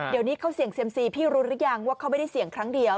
เดี๋ยวนี้เขาเสี่ยงเซียมซีพี่รู้หรือยังว่าเขาไม่ได้เสี่ยงครั้งเดียว